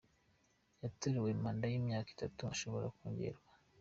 Yatorewe manda y’imyaka itatu ishobora kongerwa.